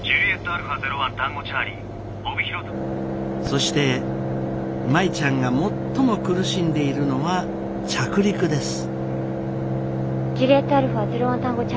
そして舞ちゃんが最も苦しんでいるのは着陸です。